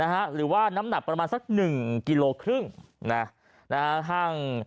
หรือว่าน้ำหนักประมาณสัก๑กิโลครึ่ง